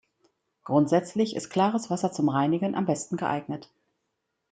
Grundsätzlich ist klares Wasser zum Reinigen am besten geeignet.